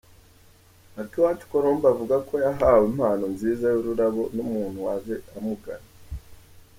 Akiwacu Colombe avuga ko yahawe impano nziza y’urarabo n’umuntu waje amugana.